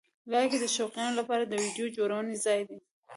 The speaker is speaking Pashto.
لایکي د شوقیانو لپاره د ویډیو جوړونې ځای دی.